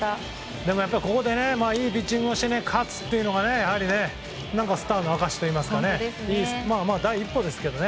でもここでいいピッチングをして勝つっていうのがやはりスターの証しといいますか第一歩ですけどね。